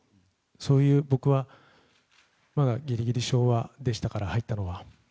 そういう僕は、まだギリギリ昭和でしたから入ったのは。